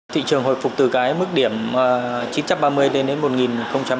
thị trường hồi phục từ cái mức điểm chín trăm ba mươi lên đến một nghìn ba mươi